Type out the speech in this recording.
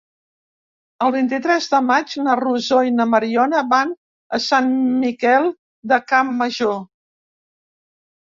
El vint-i-tres de maig na Rosó i na Mariona van a Sant Miquel de Campmajor.